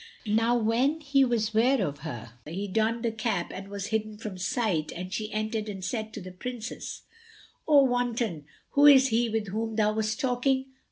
Now when he was ware of her, he donned the cap and was hidden from sight, and she entered and said to the Princess, "O wanton, who is he with whom thou wast talking?"